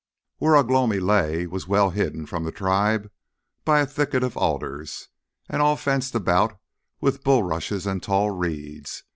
Where Ugh lomi lay was well hidden from the tribe by a thicket of alders, and all fenced about with bulrushes and tall reeds.